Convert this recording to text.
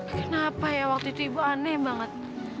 kenapa ya waktu itu ibu aneh banget